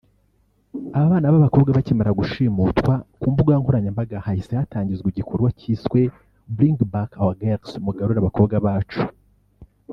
Aba bana b’abakobwa bakimara gushimutwa ku mbuga nkoranyambaga hahise hatangizwa igikorwa cyiswe #BringBackOurGirls (mugarure abakobwa bacu)